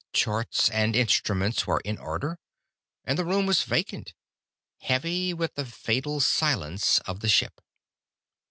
Charts and instruments were in order. And the room was vacant, heavy with the fatal silence of the ship.